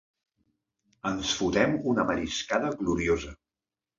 Ens fotem una mariscada gloriosa.